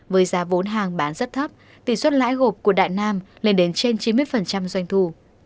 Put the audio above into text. với giá vốn hàng bán rất thấp tỷ suất lãi gộp của đại nam lên đến trên chín mươi doanh thu